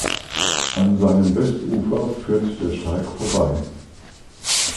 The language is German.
An seinem Westufer führt der Steig vorbei.